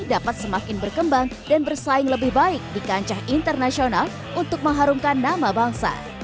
dapat semakin berkembang dan bersaing lebih baik di kancah internasional untuk mengharumkan nama bangsa